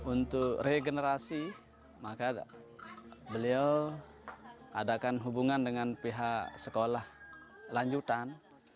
untuk regenerasi maka beliau adakan hubungan dengan pihak sekolah lanjutan